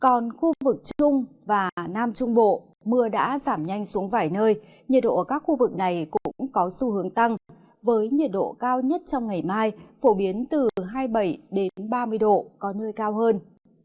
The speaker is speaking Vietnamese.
còn khu vực trung và nam trung bộ mưa đã giảm nhanh xuống vài nơi nhiệt độ ở các khu vực này cũng có xu hướng tăng với nhiệt độ cao nhất trong ngày mai phổ biến từ hai mươi bảy ba mươi độ có nơi cao hơn